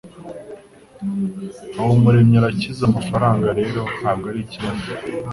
Habumuremwi arakize amafaranga rero ntabwo arikibazo